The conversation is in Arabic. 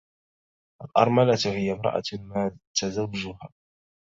الأرملة هي امرأة مات زوجها.